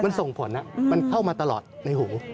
มันส่งผลมันเข้ามาตลอดในหู